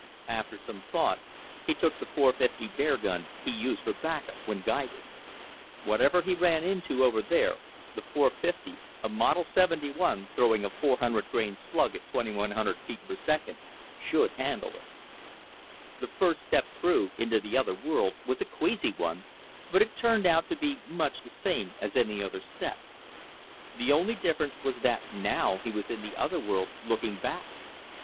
After some thought, he took the .450 bear gun he used for back up when guiding. Whatever he ran into over there, the .450 a model 71 throwing a 400 grain slug at 2100 fps should handle it. The first step through into the other world was a queasy one, but it turned out to be much the same as any other step. The only difference was that now he was in the other world looking back.